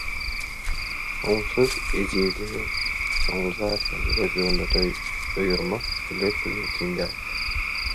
Soňsuz ejizligi soňly zatlaryň gözleginde doýurmak elbetde mümkin däl.